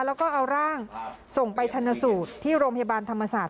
แล้วก็เอาร่างส่งไปชนสูตรที่โรงพยาบาลธรรมศาสตร์